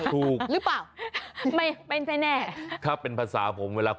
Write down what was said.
ถูกหรือเปล่า